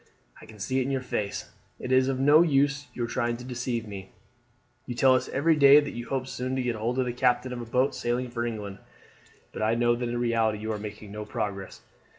"I can see it in your face. It is of no use your trying to deceive me. You tell us every day that you hope soon to get hold of the captain of a boat sailing for England; but I know that in reality you are making no progress.